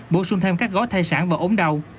bổ sung thêm các gói thai sản và ốm đau